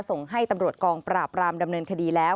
ส่งให้ตำรวจกองปราบรามดำเนินคดีแล้ว